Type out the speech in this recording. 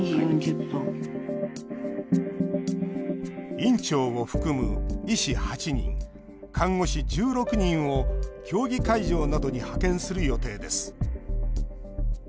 院長を含む医師８人、看護師１６人を競技会場などに派遣する予定です。